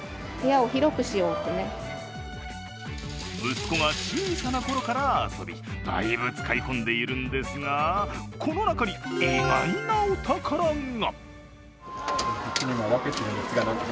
息子が小さなころから遊びだいぶ使い込んでいるんですがこの中に、意外なお宝が。